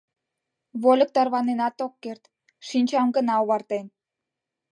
Вольык тарваненат ок керт, шинчам гына овартен.